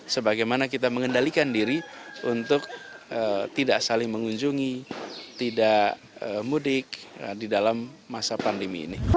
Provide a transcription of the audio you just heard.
sebagaimana kita mengendalikan diri untuk tidak saling mengunjungi tidak mudik di dalam masa pandemi ini